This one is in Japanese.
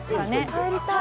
入りたい。